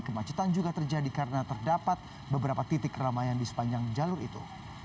kemacetan juga terjadi karena terdapat beberapa titik keramaian di sepanjang jalur itu